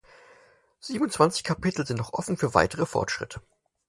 Siebenundzwanzig Kapitel sind noch offen für weitere Fortschritte.